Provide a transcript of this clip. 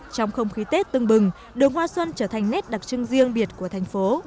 trong không khí tết tưng bừng đường hoa xuân trở thành nét đặc trưng riêng biệt của thành phố